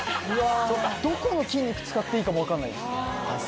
どこの筋肉使っていいかも分かんないです。